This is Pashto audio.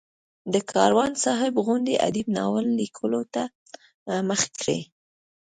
د کاروان صاحب غوندې ادیب ناول لیکلو ته مخه کړي.